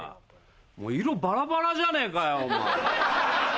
色バラバラじゃねえかよお前。